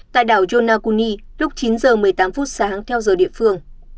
tại đảo yonaguni lúc chín giờ một mươi tám